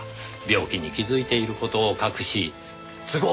病気に気づいている事を隠し都合